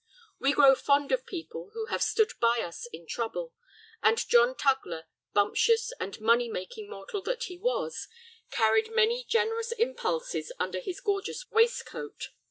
We grow fond of people who have stood by us in trouble, and John Tugler, bumptious and money making mortal that he was, carried many generous impulses under his gorgeous waistcoat.